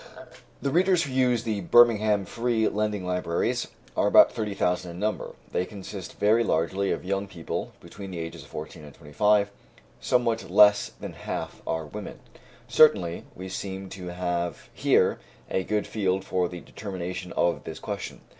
The readers who use the Birmingham Free Lending Libraries are about 30,000 in number; they consist very largely of young people between the ages of 14 and 25; somewhat less than half are women. Certainly we seem to have here a good field for the determination of this question.